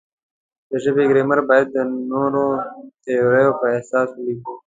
د ژبې ګرامر باید د نویو تیوریو پر اساس ولیکو.